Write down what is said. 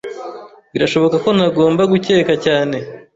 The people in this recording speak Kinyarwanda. Birashoboka ko ntagomba gukeka cyane.